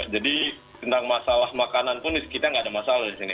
jadi tentang masalah makanan pun di sekitarnya nggak ada masalah di sini